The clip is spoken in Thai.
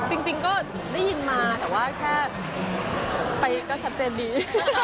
จริงก็ได้ยินมาแต่ว่าแค่ไปก็ชัดเจนดี